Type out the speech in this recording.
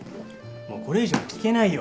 もうこれ以上聞けないよ。